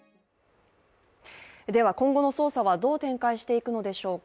では今後の捜査はどう展開していくのでしょうか。